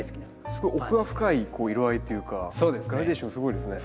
すごい奥が深い色合いというかグラデーションすごいですね。